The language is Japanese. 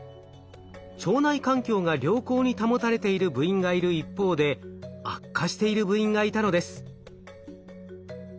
腸内環境が良好に保たれている部員がいる一方で悪化している部員がいたのです。